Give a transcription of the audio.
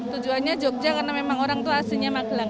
tujuannya jogja karena memang orang itu aslinya magelang